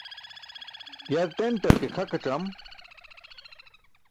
Yar ṭenṭar ke khakac̣am